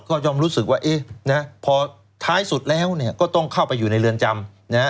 ก็ย่อมรู้สึกว่าพอท้ายสุดแล้วก็ต้องเข้าไปอยู่ในเรือนจำนะฮะ